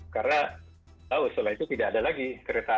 karena setelah itu tidak ada lagi keretanya